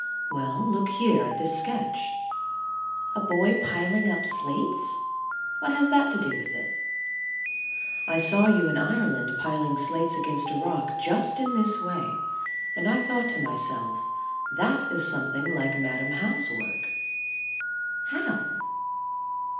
Well, look here, at this sketch. A boy piling up slates? What has that to do with it? I saw you in Ireland piling slates against a rock just in this way. And I thought to myself "That is something like Madam How's work." How?